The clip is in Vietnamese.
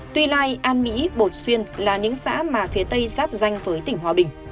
tuy lai an mỹ bột xuyên là những xã mà phía tây giáp danh với tỉnh hòa bình